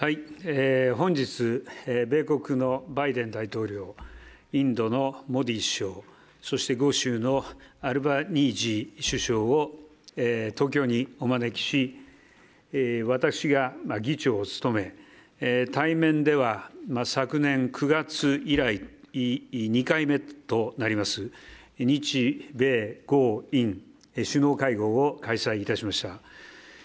本日、米国のバイデン大統領、インドのモディ首相、そして豪州のアルバニージー首相を東京にお招きし、私が議長を務め、対面では昨年９月以来２回目となります、日米豪印首脳会合を開催いたしました。